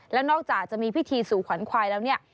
แล้วนอกจากจะมีพิธีสู่ขวัญควายแล้วเนี่ย